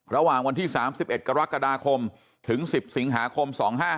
ระหว่างวันที่๓๑กรกฎาคมถึง๑๐สิงหาคม๒๕๖